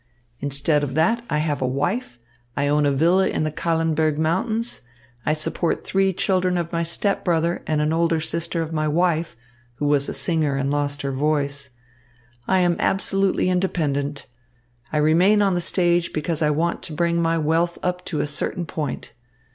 Instead of that, I have a wife, I own a villa in the Kahlenberg Mountains, I support three children of my step brother and an older sister of my wife, who was a singer and lost her voice. I am absolutely independent. I remain on the stage because I want to bring my wealth up to a certain point.